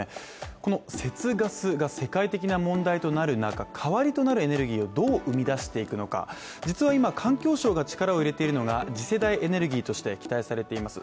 この節ガスが世界的な問題となる中、代わりとなるエネルギーをどう生み出していくのか、実は今、環境省が力を入れているのが、次世代エネルギーとして期待されています